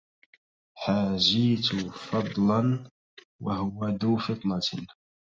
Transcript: حاجيت فضلا وهو ذو فطنة